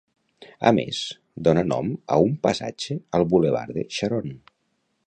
A més, dona nom a un passatge al bulevard de Charonne.